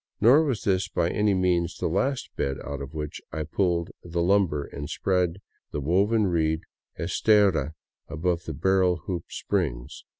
Nor was this by any means the last bed out of which I pulled the lumber and spread the woven reed estera above the barrel hoop springs.